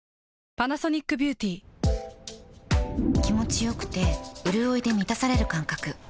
気持ちよくてうるおいで満たされる感覚